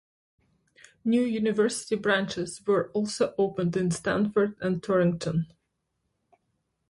New university branches were also opened in Stamford and Torrington.